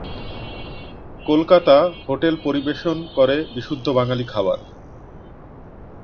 Kolkata hotel পরিবেশন করে বিশুদ্ধ বাঙালী খাবার।